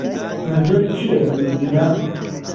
مهنزوورتچییه بلی بینه